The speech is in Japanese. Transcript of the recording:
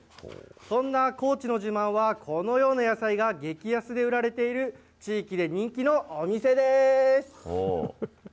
そんな高知の自慢は、このような野菜が激安で売られている、地域で人気のお店です。